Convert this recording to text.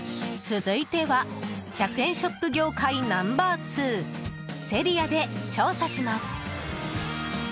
続いては１００円ショップ業界ナンバー２セリアで調査します。